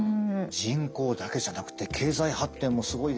人口だけじゃなくて経済発展もすごいですよ。